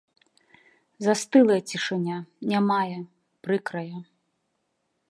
Застылая цішыня, нямая, прыкрая.